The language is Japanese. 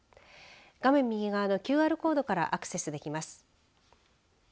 画面右側のＱＲコードからアクセスできます。